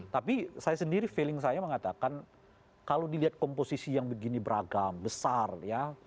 tapi saya sendiri feeling saya mengatakan kalau dilihat komposisi yang begini beragam besar ya